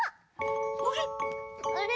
あれ？